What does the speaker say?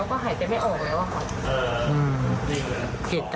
ไม่เคยเจอเหตุความแบบนี้อ่ะค่ะ